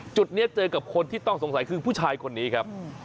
จุดนี้เจอกับคนที่ต้องสงสัยคือผู้ชายคนนี้ครับ